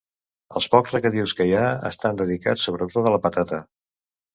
Els pocs regadius que hi ha estan dedicats sobretot a la patata.